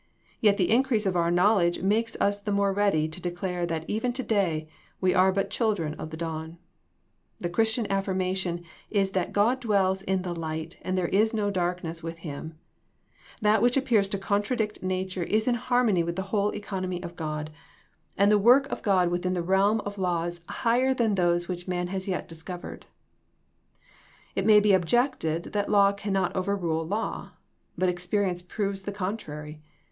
Yet the increase of our knowledge makes us the more ready to de clare that even to day we are but children of the dawn. The Christian affirmation is that God dwells in the light and there is no darkness with Him. That which appears to contradict nature is in harmony with the whole economy of God, THE POSSIBILITY OF PEAYEE 23 and the work of God within the realm of laws higher than those which man has yet discovered. It may be objected that law cannot overrule law; but experience proves the contrary.